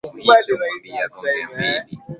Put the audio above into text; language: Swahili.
hadithi hiyo inafanana na hadithi ya msimamizi wa meli